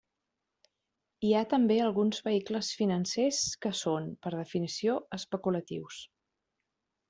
Hi ha també alguns vehicles financers que són, per definició, especulatius.